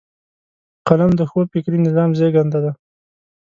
قلم د ښو فکري نظام زیږنده ده